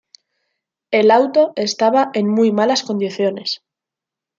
El auto estaba en muy malas condiciones.